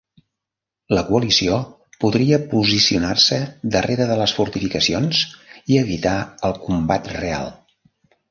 La coalició podria posicionar-se darrere de les fortificacions i evitar el combat real.